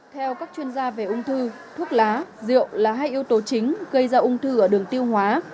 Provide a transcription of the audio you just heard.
theo các chuyên gia về ung thư thuốc lá rượu là hai yếu tố chính gây ra ung thư ở đường tiêu hóa